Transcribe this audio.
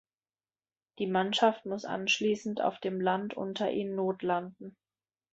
Die Mannschaft muss anschließend auf dem Land unter ihnen notlanden.